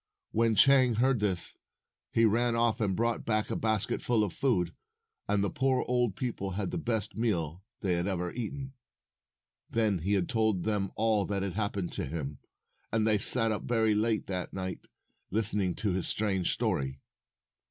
When Chang heard this, he ran off and brought back a basket full of food, and the poor old people had the best meal they had ever eaten. Then he told them all that had hap pened to him, and they sat up very late that night listening to his strange story.